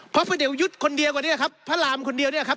เพราะพระเดี่ยวยุทธ์คนเดียวกว่านี้ครับพระรามคนเดียวเนี่ยครับ